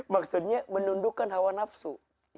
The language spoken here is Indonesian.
maksudnya menundukkan hawa nafsu